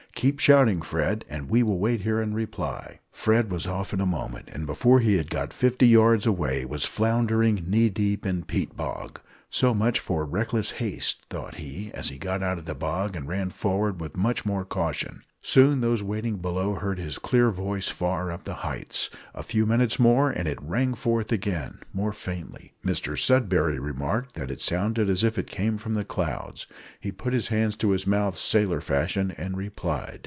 Keep shouting, Fred, and we will wait here and reply." Fred was off in a moment, and before he had got fifty yards away was floundering knee deep in a peat bog. So much for reckless haste, thought he, as he got out of the bog and ran forward with much more caution. Soon those waiting below heard his clear voice far up the heights. A few minutes more, and it rang forth again more faintly. Mr Sudberry remarked that it sounded as if it came from the clouds: he put his hands to his mouth sailor fashion, and replied.